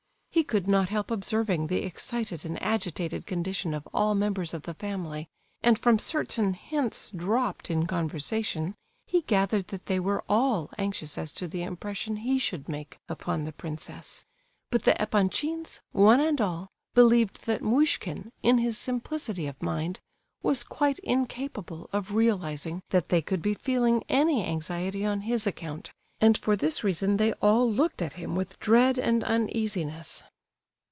He could not help observing the excited and agitated condition of all members of the family, and from certain hints dropped in conversation he gathered that they were all anxious as to the impression he should make upon the princess. But the Epanchins, one and all, believed that Muishkin, in his simplicity of mind, was quite incapable of realizing that they could be feeling any anxiety on his account, and for this reason they all looked at him with dread and uneasiness.